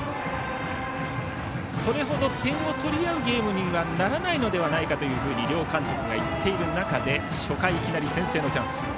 それほど点を取り合うゲームにはならないのではないかと両監督が言っている中で初回、いきなり先制のチャンス。